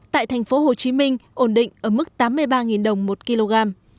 tại thành phố hồ chí minh ổn định ở mức tám mươi ba đồng một kg